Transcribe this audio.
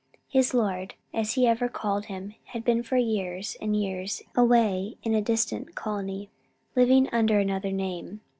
His lord, as he ever called him, had been for years and years away in a distant colony, living under another name.